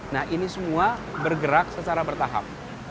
nah ini semua bergerak secara bertahap